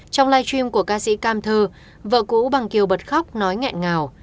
trong live stream của ca sĩ cam thơ vợ cũ bằng kiều bật khóc nói nghẹn ngào